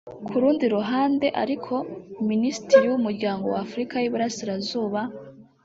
Ku rundi ruhande ariko Minisitiri w’Umuryango w’Afurika y’Iburasirazuba